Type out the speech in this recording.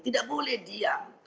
tidak boleh diam